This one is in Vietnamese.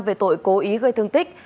về tội cố ý gây thương tích